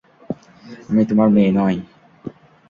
আমি তোমার মেয়ে নই।